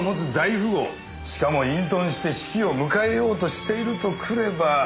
しかも隠遁して死期を迎えようとしているとくれば。